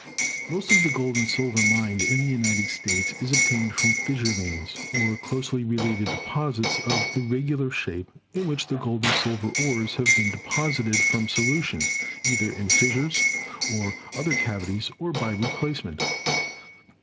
Most of the gold and silver mined in the United States is obtained from fissure veins, or closely related deposits of irregular shape, in which the gold and silver ores have been deposited from solution, either in fissures, or other cavities, or by replacement.